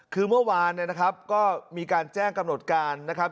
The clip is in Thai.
คือเมื่อวานเนี่ยนะครับก็มีการแจ้งกำหนดการนะครับ